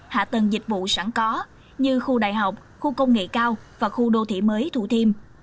hạ tầng dịch vụ sẵn có như khu đại học khu công nghệ cao và khu đô thị mới thủ thiêm